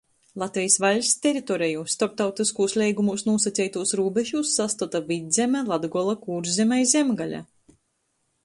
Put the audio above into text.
Latvejis vaļsts teritoreju storptautyskūs leigumūs nūsaceitūs rūbežūs sastota Vydzeme, Latgola, Kūrzeme i Zemgale.